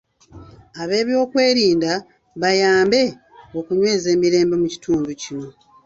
Abeebyokwerinda, bayambe okunyweza emirembe mu kitundu kino.